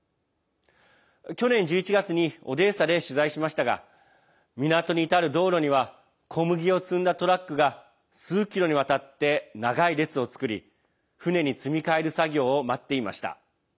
去年１１月にオデーサで取材しましたが港に至る道路には小麦を積んだトラックが数キロにわたって長い列を作り船に積み替える作業を待っていました。